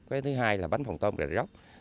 cái thứ hai là bánh phồng tôm rạch róc